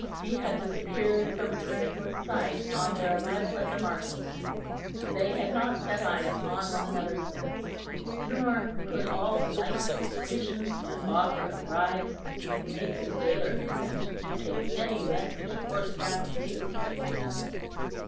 He had disappeared from Sir Nicholas' sight on their arrival at the Marshalsea, and they had not set eyes on one another since; nor could all the knight's persuasion and offer of bribes make his gaoler consent to take any message or scrap of paper between them.